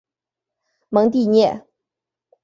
蒙蒂涅。